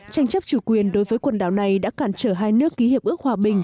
tranh chấp chủ quyền đối với quần đảo này đã cản trở hai nước ký hiệp ước hòa bình